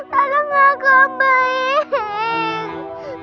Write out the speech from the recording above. tolong aku om baik